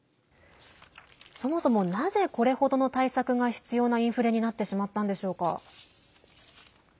そもそもなぜこれほどの対策が必要なインフレになってしまったのでしょうか。